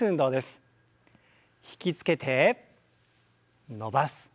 引き付けて伸ばす。